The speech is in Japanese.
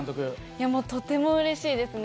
いやもうとてもうれしいですね。